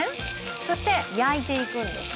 そして、焼いていくんです。